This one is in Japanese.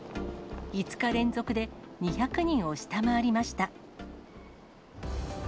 ５日連続で２００人を下回りました。